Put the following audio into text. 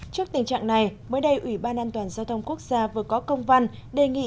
trước tình trạng này mới đây ủy ban an toàn giao thông quốc gia vừa có công văn đề nghị